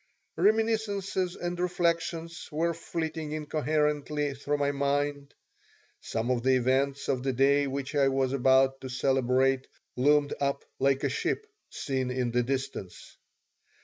Reminiscences and reflections were flitting incoherently through my mind. Some of the events of the day which I was about to celebrate loomed up like a ship seen in the distance.